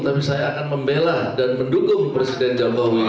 tetapi saya akan membelah dan mendukung presiden jokowi